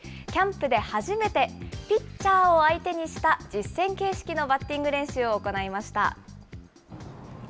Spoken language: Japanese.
キャンプで初めて、ピッチャーを相手にした実戦形式のバッティング練習を行いました。